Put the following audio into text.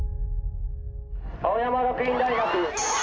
青山学院大学。